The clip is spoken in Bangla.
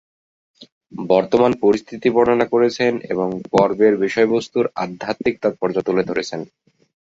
বর্তমান পরিস্থিতি বর্ণনা করেছেন এবং পর্বের বিষয়বস্তুর আধ্যাত্মিক তাৎপর্য তুলে ধরেছেন।